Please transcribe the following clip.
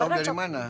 oh dari mana